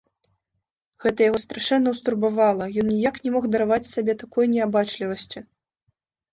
Гэта яго страшэнна ўстурбавала, ён ніяк не мог дараваць сабе такой неабачлівасці.